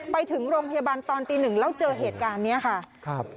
ไปถึงโรงพยาบาลตอนตี๑แล้วเจอเหตุการณ์นี้ค่ะ